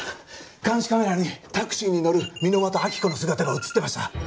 監視カメラにタクシーに乗る箕輪と亜希子の姿が映ってました。